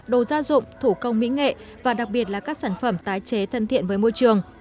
đồ gia dụng thủ công mỹ nghệ và đặc biệt là các sản phẩm tái chế thân thiện với môi trường